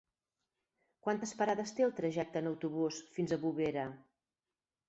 Quantes parades té el trajecte en autobús fins a Bovera?